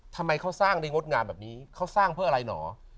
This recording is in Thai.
ทำไมเขาสร้างได้งดงามแบบนี้เขาสร้างเพื่ออะไรเหรอ